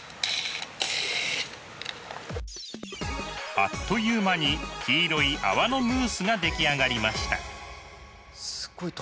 あっという間に黄色い泡のムースが出来上がりました。